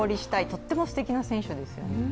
とってもすてきな選手ですね。